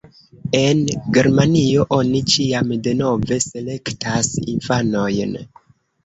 En Germanio oni ĉiam denove selektas infanojn.